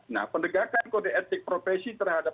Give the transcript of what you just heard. nah penegakan kode etik profesi terhadap